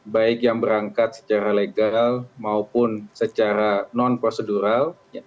baik yang berangkat secara legal maupun secara non prosedural